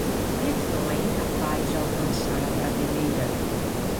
Clifton é incapaz de alcançar a prateleira.